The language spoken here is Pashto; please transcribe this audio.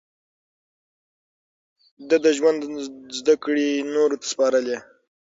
ده د ژوند زده کړې نورو ته سپارلې.